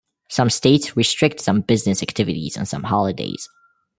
Some states restrict some business activities on some holidays.